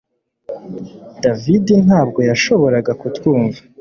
David ntabwo yashoboraga kutwumva